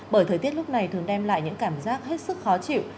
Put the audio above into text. bởi thời tiết lúc này thường đem lại những cảm giác hết sức khó chịu